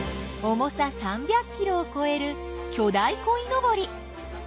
重さ３００キロをこえる巨大こいのぼり。